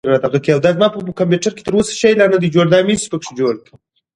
پاکه خاوره وژغورل سوه.